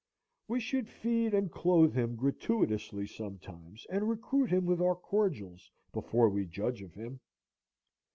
We should feed and clothe him gratuitously sometimes, and recruit him with our cordials, before we judge of him.